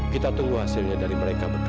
kita tunggu hasilnya dari mereka berdua